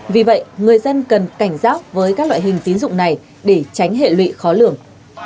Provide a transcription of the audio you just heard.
vì vậy người dân cần cảnh giác với các loại hình tín dụng này để tránh hệ lụy khó lường